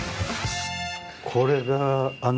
これがあの。